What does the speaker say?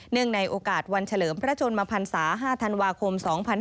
ในโอกาสวันเฉลิมพระชนมพันศา๕ธันวาคม๒๕๕๙